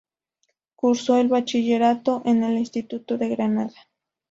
Cursó el bachillerato en el instituto de Granada.